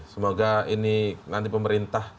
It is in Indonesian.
semoga ini nanti pemerintah